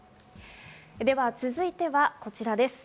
では、続いてはこちらです。